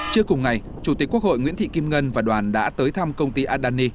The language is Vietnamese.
trước cùng ngày chủ tịch quốc hội nguyễn thị kim ngân và đoàn đã tới thăm công ty adani